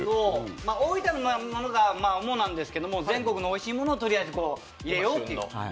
大分のものが主なんですけど全国のおいしいものをとりあえず入れようと。